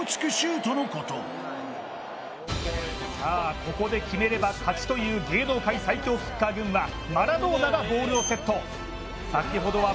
ここで決めれば勝ちという芸能界最強キッカー軍はマラドーナがボールをセット。